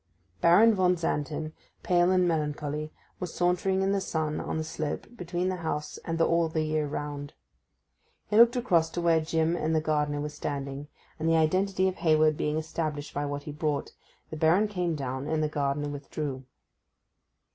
Baron von Xanten, pale and melancholy, was sauntering in the sun on the slope between the house and the all the year round. He looked across to where Jim and the gardener were standing, and the identity of Hayward being established by what he brought, the Baron came down, and the gardener withdrew.